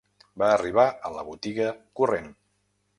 Va arribar a la botiga corrent